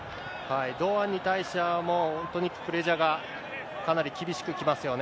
堂安に対しては、もう本当にククレジャがかなり厳しくきますよね。